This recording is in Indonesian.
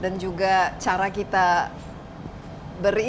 dan juga cara kita berinteraksi satu sama lain